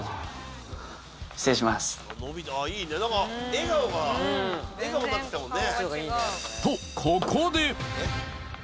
笑顔になってきたもんね。